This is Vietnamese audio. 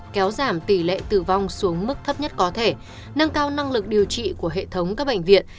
kéo giảm tỷ lệ tử vong xuống mức thấp nhất có thể nâng cao năng lực điều trị của hệ thống các bệnh viện